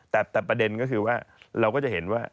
แต่ประเด็นก็คือว่าเราก็จะเห็นว่า